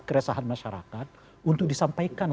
keresahan masyarakat untuk disampaikan